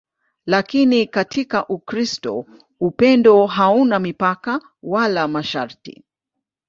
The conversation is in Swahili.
Lakini katika Ukristo upendo hauna mipaka wala masharti.